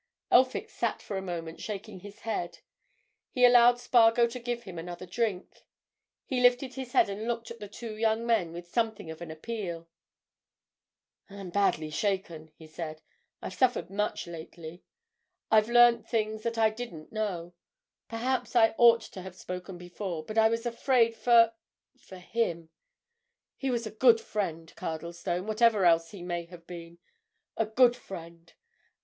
Elphick sat for a moment shaking his head. He allowed Spargo to give him another drink; he lifted his head and looked at the two young men with something of an appeal. "I'm badly shaken," he said. "I've suffered much lately—I've learnt things that I didn't know. Perhaps I ought to have spoken before, but I was afraid for—for him. He was a good friend, Cardlestone, whatever else he may have been—a good friend.